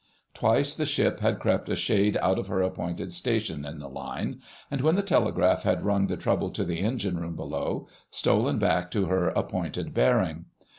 Twice the ship had crept a shade out of her appointed station in the line, and, when the telegraph had rung the trouble to the Engine room below, stolen back to her appointed bearing.